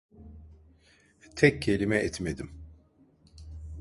Tek kelime etmedim.